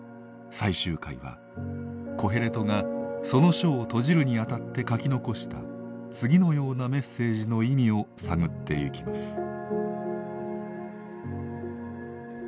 最終回はコヘレトがその書を閉じるにあたって書き残した次のようなメッセージの意味を探ってゆきます。